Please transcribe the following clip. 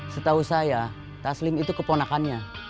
setahu saya taslim itu keponakannya